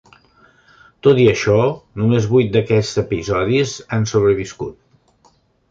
Tot i això, només vuit d'aquests episodis han sobreviscut.